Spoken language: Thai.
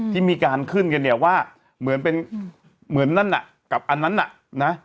ที่มีการขึ้นกันเนี่ยว่าเหมือนเป็นเหมือนนั่นน่ะกับอันนั้นน่ะนะ